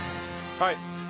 はい！